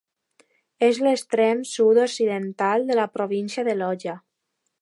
És l'extrem sud-occidental de la província de Loja.